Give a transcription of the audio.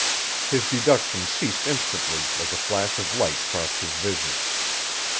His deductions ceased instantly as a flash of light crossed his vision.